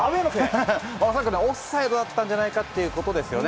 オフサイドだったんじゃないかということですよね。